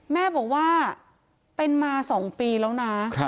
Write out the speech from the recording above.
แม่บอกว่าเป็นมา๒ปีแล้วนะ